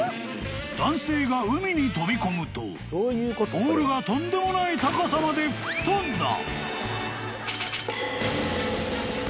［男性が海に飛び込むとボールがとんでもない高さまで吹っ飛んだ］